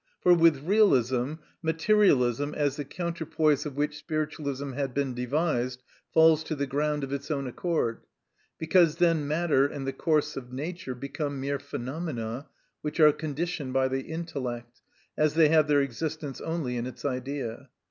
For with realism materialism, as the counterpoise of which spiritualism had been devised, falls to the ground of its own accord, because then matter and the course of nature become mere phenomena, which are conditioned by the intellect, as they have their existence only in its idea.